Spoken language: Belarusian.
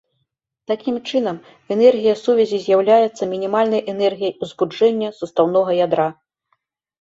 Такім чынам энергія сувязі з'яўляецца мінімальнай энергіяй ўзбуджэння састаўнога ядра.